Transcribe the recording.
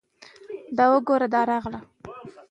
د مهاراجا ټوکران ډیر ښکلي دي.